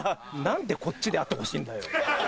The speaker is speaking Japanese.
何でこっちであってほしいんだよ？